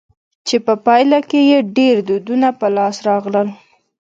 چي په پايله کښي ئې ډېر دودونه په لاس راغلل.